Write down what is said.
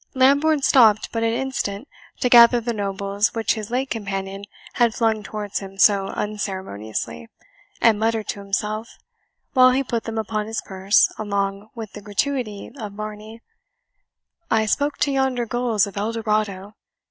Lambourne stopped but an instant to gather the nobles which his late companion had flung towards him so unceremoniously, and muttered to himself, while he put them upon his purse along with the gratuity of Varney, "I spoke to yonder gulls of Eldorado.